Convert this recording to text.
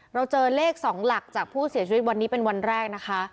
เราเจอเลข๒หลักจากผู้เสียชีวิตวันนี้เป็นวันแรกนะคะ